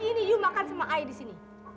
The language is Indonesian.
aduh dan keren